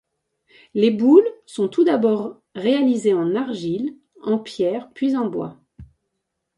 Les boules sont tout d'abord réalisée en argile, en pierre, puis en bois.